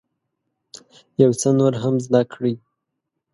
یو څه نور هم زده کړئ.